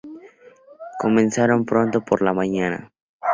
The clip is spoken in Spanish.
Comenzaron pronto por la mañana.